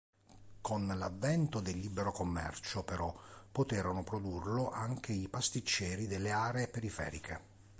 Con l'avvento del libero commercio, però, poterono produrlo anche i pasticceri delle aree periferiche.